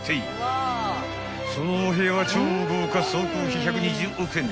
［そのお部屋は超豪華総工費１２０億円］